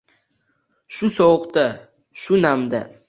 Shu sovukda, shu namda?